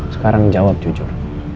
sekarang jawab jujur